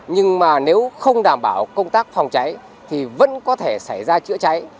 nhưng mà nếu không đảm bảo công tác phòng cháy thì vẫn có thể xảy ra chữa cháy